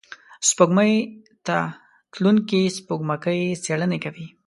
سپوږمۍ ته تلونکي سپوږمکۍ څېړنې کوي